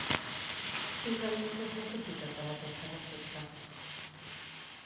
Quins aliments es necessiten per a aquesta recepta?